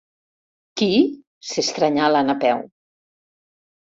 Qui? —s'estranyà la Napeu.